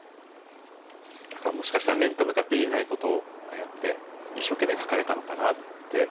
だからもしかしたら面と向かって言えないことをああやって一生懸命書かれたのかなって。